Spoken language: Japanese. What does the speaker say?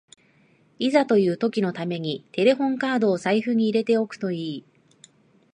いざという時のためにテレホンカードを財布に入れておくといい